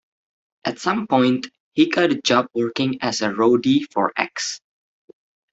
At some point, he got a job working as a roadie for X.